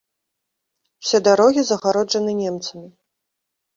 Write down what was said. Усе дарогі загароджаны немцамі.